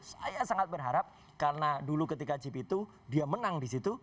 saya sangat berharap karena dulu ketika chip itu dia menang di situ